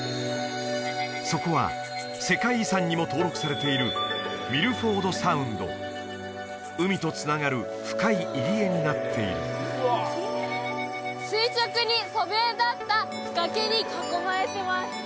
そこは世界遺産にも登録されている海とつながる深い入り江になっている垂直にそびえ立った崖に囲まれてます！